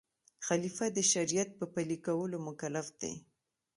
خلیفه د شریعت په پلي کولو مکلف دی.